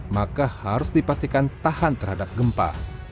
maka harus dipastikan tahan terhadap gempa